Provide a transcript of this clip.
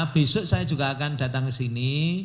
besok saya juga akan datang ke sini